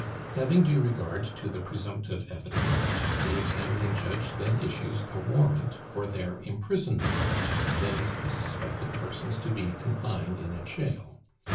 Having due regard to the presumptive evidence, the examining judge then issues a warrant for their imprisonment, and sends the suspected persons to be confined in a jail.